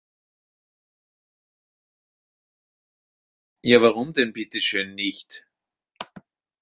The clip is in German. Ja, warum denn bitteschön nicht?